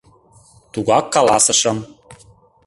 Тугак каласышым.